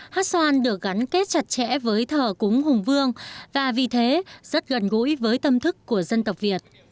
hát xoan được gắn kết chặt chẽ với thờ cúng hùng vương và vì thế rất gần gũi với tâm thức của dân tộc việt